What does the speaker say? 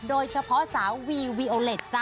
โดยเฉพาะสาววีวีโอเล็ตจ้